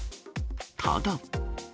ただ。